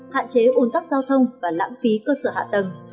hạn chế ủn tắc giao thông và lãng phí cơ sở hạ tầng